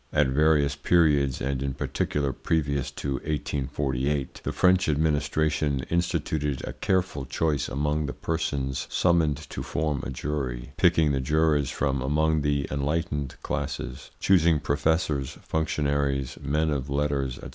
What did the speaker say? At various periods, and in particular previous to 1848, the French administration instituted a careful choice among the persons summoned to form a jury, picking the jurors from among the enlightened classes; choosing professors, functionaries, men of letters, &c.